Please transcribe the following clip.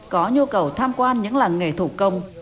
có nhu cầu tham quan những làng nghề thủ công